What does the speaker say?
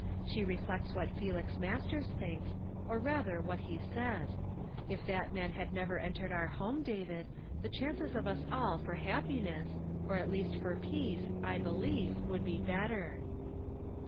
She reflects what Felix Masters thinks, or rather, what he says. If that man had never eutered our home, David, the chances of us all for iuipi)iness, or at least for peace, I helieve, would he better."